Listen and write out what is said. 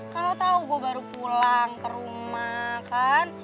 kalau tau gue baru pulang ke rumah kan